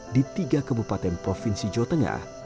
di tiga kebupaten provinsi jawa tengah